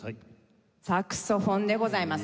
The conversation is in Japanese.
サクソフォンでございます。